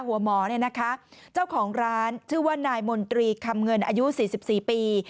หัวหมอเนี่ยนะคะเจ้าของร้านชื่อว่านายมนตรีคำเงินอายุ๔๔ปี